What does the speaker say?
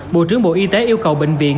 bộ trưởng bộ y tế yêu cầu bệnh viện